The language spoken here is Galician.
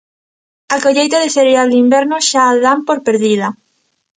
A colleita de cereal de inverno xa a dan por perdida.